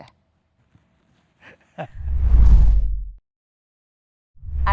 tidak saya katakan disini ya prof ya